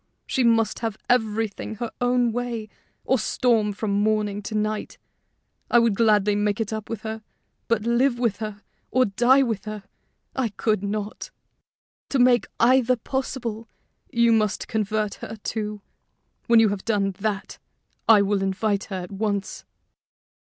She must have everything her own way, or storm from morning to night. I would gladly make it up with her, but live with her, or die with her, I could not. To make either possible, you must convert her, too. When you have done that, I will invite her at once."